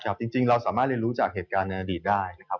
จริงเราสามารถเรียนรู้จากเหตุการณ์ในอดีตได้นะครับ